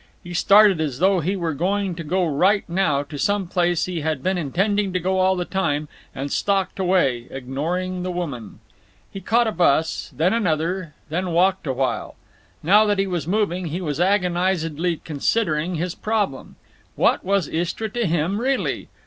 He started as though he were going to go right now to some place he had been intending to go to all the time, and stalked away, ignoring the woman. He caught a bus, then another, then walked a while. Now that he was moving, he was agonizedly considering his problem: What was Istra to him, really?